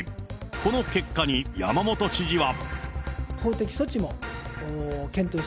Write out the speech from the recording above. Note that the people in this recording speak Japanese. この結果に山本知事は。